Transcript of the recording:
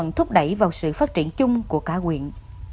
thúc đẩy vào sự phát triển chung của cả quyện